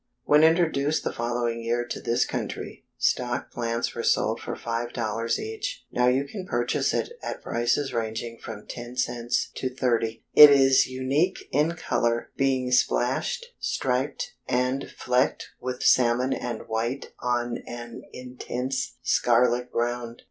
When introduced the following year to this country, stock plants were sold for $5.00 each. Now you can purchase it at prices ranging from ten cents to thirty. It is unique in color, being splashed, striped, and flecked with salmon and white on an intense scarlet ground.